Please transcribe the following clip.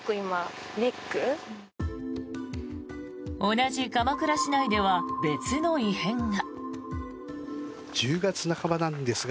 同じ鎌倉市内では別の異変が。